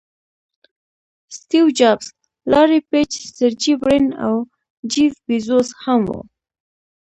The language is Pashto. سټیو جابز، لاري پیج، سرجي برین او جیف بیزوز هم وو.